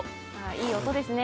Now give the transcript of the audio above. いい音ですね。